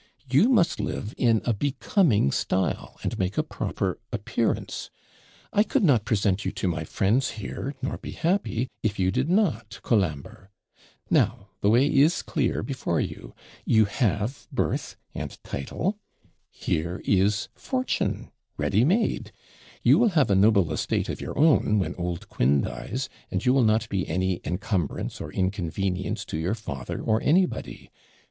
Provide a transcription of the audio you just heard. You must live in a becoming style, and make a proper appearance. I could not present you to my friends here, nor be happy, if you did not, Colambre. Now the way is clear before you: you have birth and title, here is fortune ready made; you will have a noble estate of your own when old Quin dies, and you will not be any encumbrance or inconvenience to your father or anybody.